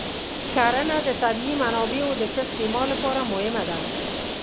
کرنه د طبیعي منابعو د ښه استعمال لپاره مهمه ده.